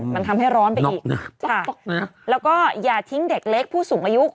มันทำให้ร้อนไปอีกแล้วก็อย่าทิ้งเด็กเล็กผู้สูงอายุ